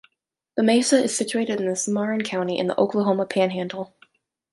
The Mesa is situated in the Cimarron County in the Oklahoma Panhandle.